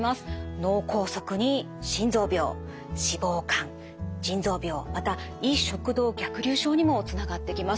脳梗塞に心臓病脂肪肝腎臓病また胃食道逆流症にもつながってきます。